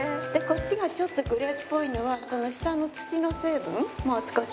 こっちがちょっとグレーっぽいのは下の土の成分も少し入ってるのね。